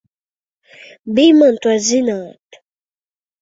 Bij man to zināt!